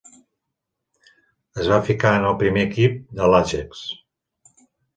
Es va ficar en el primer equip de l'Ajax.